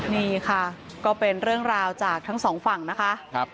นี่ค่ะก็เป็นเรื่องราวจากทั้งสองฝั่งนะคะ